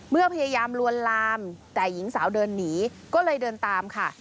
พยายามลวนลามแต่หญิงสาวเดินหนีก็เลยเดินตามค่ะ